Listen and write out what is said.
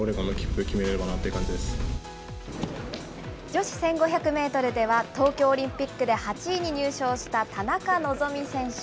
女子１５００メートルでは、東京オリンピックで８位に入賞した田中希実選手。